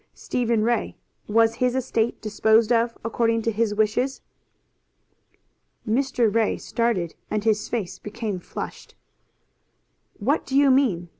Stephen Ray, was his estate disposed of according to his wishes?" Mr. Ray started, and his face became flushed. "What do you mean?"